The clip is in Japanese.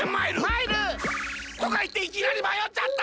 まいる！とかいっていきなりまよっちゃった！